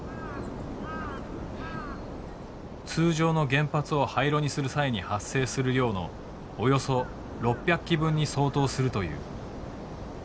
通常の原発を廃炉にする際に発生する量のおよそ６００基分に相当するという。